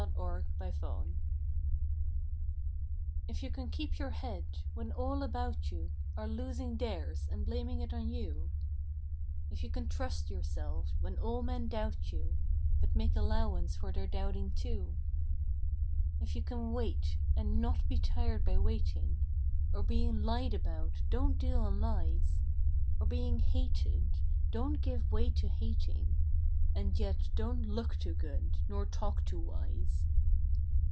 Rudyard Kipling IF IP you can keep your head when all about you Are losing theirs and blaming it on you ; If you can trust yourself when all men doubt you, But make allowance for their doubting too ; If you can wait and not be tired by waiting, Or being lied about, don't deal in lies, Or being hated don't give way to hating, And yet don't look too good, nor talk too wise.